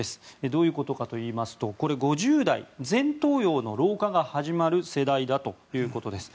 どういうことかと言いますと５０代は前頭葉の老化が始まる世代だということです。